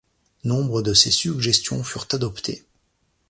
Nombre de ses suggestions furent adoptées.